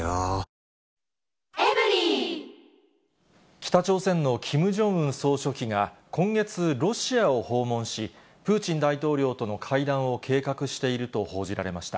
北朝鮮のキム・ジョンウン総書記が、今月、ロシアを訪問し、プーチン大統領との会談を計画していると報じられました。